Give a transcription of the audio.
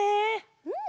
うん！